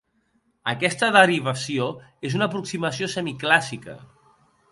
Aquesta derivació és una aproximació semiclàssica.